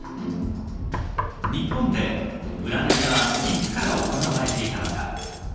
日本で占いはいつから行われていたのか。